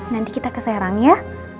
nanti kita ke serang ya